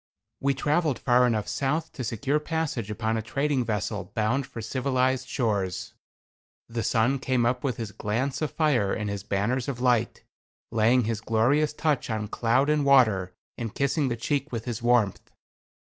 We traveled far enough south to secure passage upon a trading vessel bound for civilized shores. The sun came up with his glance of fire and his banners of light, laying his glorious touch on cloud and water, and kissing the cheek with his warmth.